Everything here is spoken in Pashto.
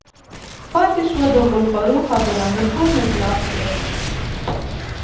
پاتې شوه د غول خورو خبره نو ټول مې بلاک کړل